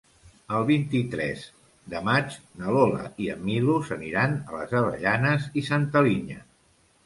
El vint-i-tres de maig na Lola i en Milos aniran a les Avellanes i Santa Linya.